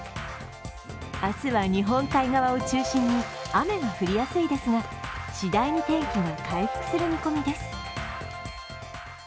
明日は日本海側を中心に雨が降りやすいですが次第に天気が回復する見込みです。